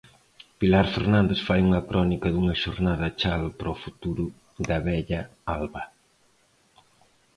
Pilar Fernández fai unha crónica dunha xornada chave para o futuro da vella Alba.